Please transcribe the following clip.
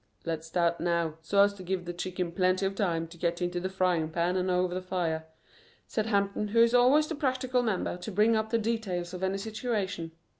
"Let's start now, so as to give the chicken plenty of time to get into the frying pan and over the fire," said Hampton, who is always the practical member to bring up the details of any situation.